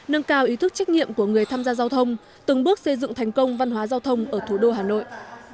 nâng cao ý thức trách nhiệm của người tham gia giao thông từng bước xây dựng thành công văn hóa giao thông ở thủ đô hà nội